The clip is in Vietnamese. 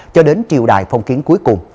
cho đến triều đại phong kiến cuối cùng